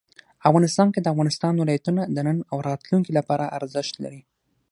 افغانستان کې د افغانستان ولايتونه د نن او راتلونکي لپاره ارزښت لري.